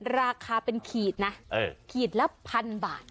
ราคาเป็นขีดนะขีดละพันบาท